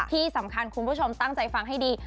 ที่สำคัญคุณผู้ชมตั้งใจฟังให้ดี